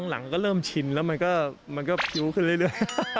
หลังก็เริ่มชินแล้วมันก็พิ้วขึ้นเรื่อย